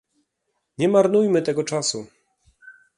Nie marnujmy tego czasu